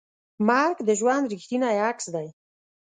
مرګ د ژوند ریښتینی عکس دی.